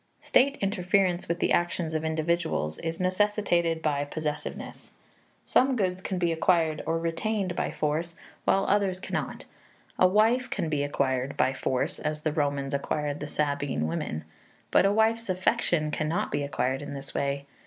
State interference with the actions of individuals is necessitated by possessiveness. Some goods can be acquired or retained by force, while others cannot. A wife can be acquired by force, as the Romans acquired the Sabine women; but a wife's affection cannot be acquired in this way.